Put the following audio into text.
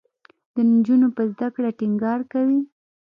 د نجونو په زده کړه ټینګار کوي.